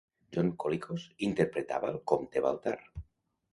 John Colicos interpretava el comte Baltar.